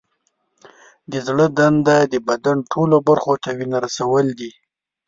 د زړه دنده د بدن ټولو برخو ته وینه رسول دي.